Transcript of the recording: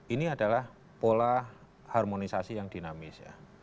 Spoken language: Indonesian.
ini adalah pola harmonisasi yang dinamis ya